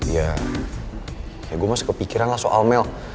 ya ya gue masih kepikiran lah soal melk